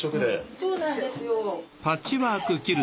そうなんですよ。